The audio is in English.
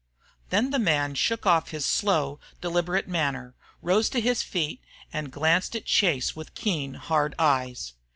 Then the man shook off his slow, deliberate manner, rose to his feet, and glanced at Chase with keen, hard eyes.